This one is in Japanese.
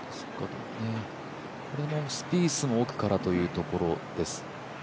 これもスピースも奥からというところです。